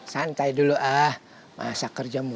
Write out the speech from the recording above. santai dulu ah masa kerja mulu